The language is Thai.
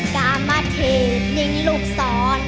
กามาเทพลิงลูกสอน